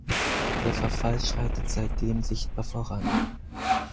Der Verfall schreitet seitdem sichtbar voran.